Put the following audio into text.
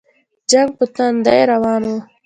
جنګ په توندۍ روان وو.